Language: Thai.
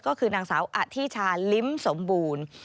ก็คือนางสาวอธิชาลิ้มสมบูรณ์